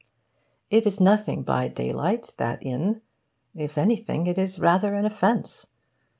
It is nothing by daylight, that inn. If anything, it is rather an offence.